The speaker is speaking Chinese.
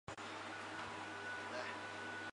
芮氏双珠螺为左锥螺科双珠螺属下的一个种。